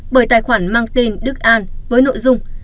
bởi tài khoản mang tên đức an với nội dung